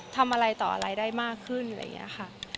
ทำอะไรต่ออะไรได้มากขึ้นอะไรอย่างนี้ค่ะ